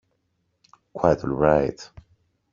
Quite all right.